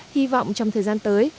hy vọng trong thời gian tới